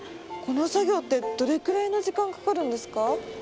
このさぎょうってどれくらいのじかんかかるんですか？